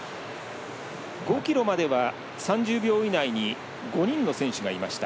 ５ｋｍまでは３０秒以内に５人の選手がいました。